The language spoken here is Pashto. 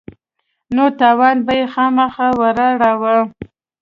نو تاوان به يې خامخا وراړاوه.